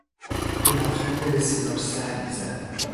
او لبخند بسیار سردی زد.